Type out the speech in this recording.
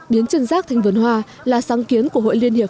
điến trần giác thanh vườn hoa là sáng kiến của hội liên hiệp